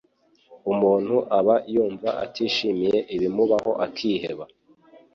umuntu aba yumva atishimiye ibimubaho akiheba